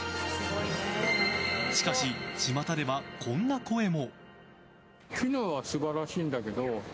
しかし、ちまたではこんな声も。